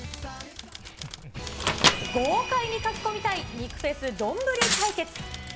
豪快にかき込みたい肉フェスどんぶり対決。